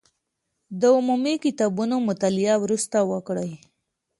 د عمومي کتابونو مطالعه وروسته وکړئ.